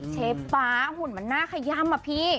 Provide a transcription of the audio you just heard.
เช๊ะป๊าหุ่นมันน่าขยำ